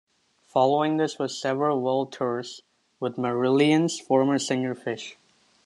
Following this was several world tours with Marillion's former singer Fish.